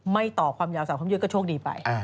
ต่อความยาวสาวความยืดก็โชคดีไป